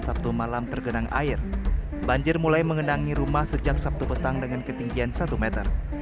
sabtu malam tergenang air banjir mulai mengenangi rumah sejak sabtu petang dengan ketinggian satu meter